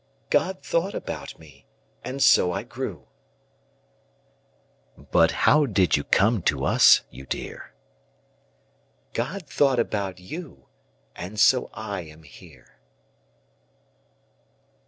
God thought about me, and so I grew. But how did you come to us, you dear? God thought about you, and so I am here.